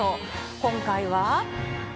今回は。